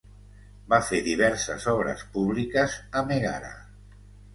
Va fer diverses obres públiques a Mègara.